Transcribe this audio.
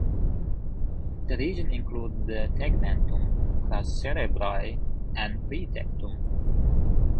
The region includes the tegmentum, crus cerebri and pretectum.